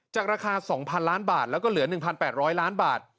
จากราคาสองพันล้านบาทแล้วก็เหลือหนึ่งพันแปดร้อยล้านบาท